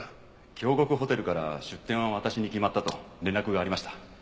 京極ホテルから出店は私に決まったと連絡がありました。